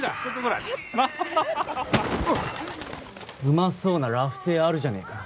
うまそうなラフテーあるじゃねえか。